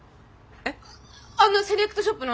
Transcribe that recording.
あのセレクトショップの？